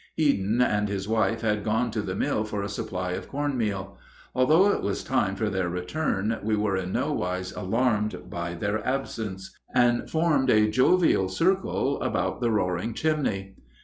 Headen and his wife had gone to the mill for a supply of corn meal. Although it was time for their return, we were in nowise alarmed by their absence, and formed a jovial circle about the roaring chimney.